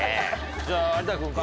じゃあ有田君か？